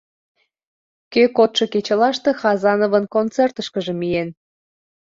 Кӧ кодшо кечылаште Хазановын концертышкыже миен.